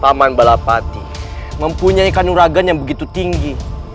taman balapati mempunyai kanuragan yang begitu tinggi